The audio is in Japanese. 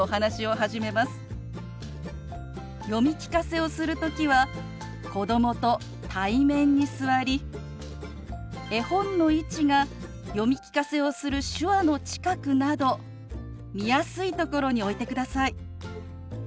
読み聞かせをする時は子どもと対面に座り絵本の位置が読み聞かせをする手話の近くなど見やすいところに置いてください。